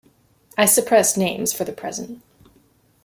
I suppress names for the present.